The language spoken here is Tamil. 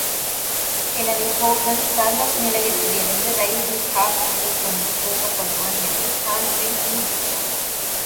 எனவே ஹோகன், தர்லஸ் நிலையத்திலிருந்து ரயிலில் கார்க்குக்கே கொண்டு போகப்படுவான் என்று தான்பிரீன் ஊகித்தான்.